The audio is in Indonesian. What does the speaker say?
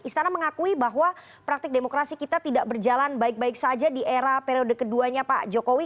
istana mengakui bahwa praktik demokrasi kita tidak berjalan baik baik saja di era periode keduanya pak jokowi